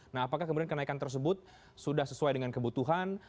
nah apakah kemudian kenaikan tersebut sudah sesuai dengan kebutuhan